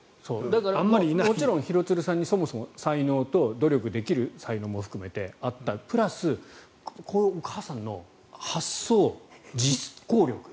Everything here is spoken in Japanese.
だからもちろん廣津留さんにそもそも努力できる才能も含めてあったプラスお母さんの発想、実行力